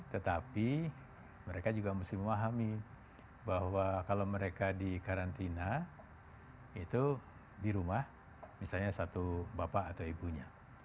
tetapi mereka juga mesti memahami bahwa kalau mereka di karantina itu di rumah misalnya satu bapak atau ibunya